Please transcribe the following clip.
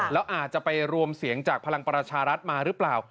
แล้วอาจจะไปรวมเสียงจากพลังประชารัฐมาหรือเปล่า